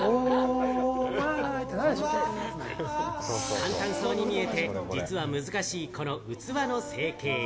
簡単そうに見えて、実は難しい、この器の成形。